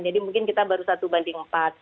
jadi mungkin kita baru satu banding empat